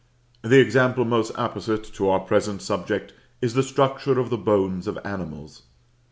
The example most apposite to our present subject is the structure of the bones of animals.